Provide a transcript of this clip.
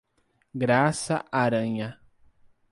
Graça Aranha